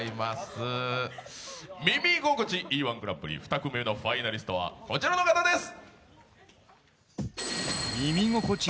「耳心地いい−１グランプリ」２組目のファイナリストはこちらの方です！